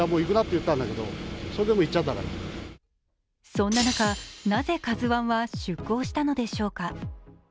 そんな中、なぜ「ＫＡＺＵⅠ」は出港したのでしょうか。